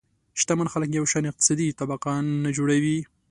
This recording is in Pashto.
شتمن خلک یو شان اقتصادي طبقه نه جوړوي.